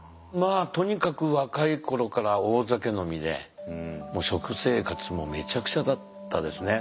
とにかく若い頃から大酒飲みで食生活もめちゃくちゃだったですね。